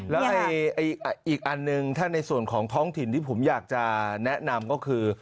แล้วอีกอันหนึ่งถ้าในส่วนของท้องถิ่นที่ผมอยากจะแนะนำก็คือ